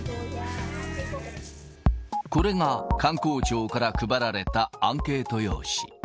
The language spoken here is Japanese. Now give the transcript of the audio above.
これが観光庁から配られたアンケート用紙。